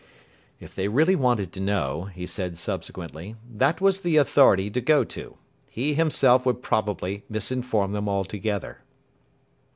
If they really wanted to know, he said subsequently, that was the authority to go to. He himself would probably misinform them altogether.